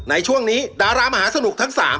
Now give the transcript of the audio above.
ในช่วงนี้ดารามหาสนุกทั้ง๓